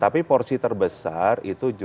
tapi porsi terbesar itu justru untuk transaksi